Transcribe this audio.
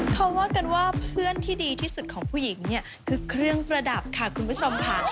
เขาว่ากันว่าเพื่อนที่ดีที่สุดของผู้หญิงเนี่ยคือเครื่องประดับค่ะคุณผู้ชมค่ะ